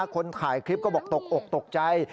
คนถ่ายคลิปก็บอกตกอกตกใจ